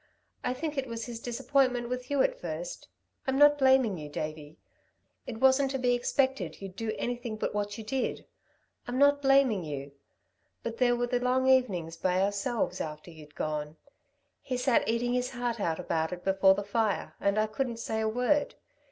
I think it was his disappointment with you at first ... I'm not blaming you, Davey. It wasn't to be expected you'd do anything but what you did. I'm not blaming you. But there were the long evenings by ourselves, after you'd gone. He sat eating his heart out about it before the fire, and I couldn't say a word.